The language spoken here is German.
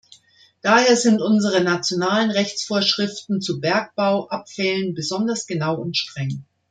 Daher sind unsere nationalen Rechtsvorschriften zu Bergbauabfällen besonders genau und streng.